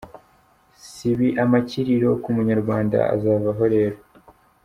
Sibi amakiriro ku munyarwanda azavaho rero.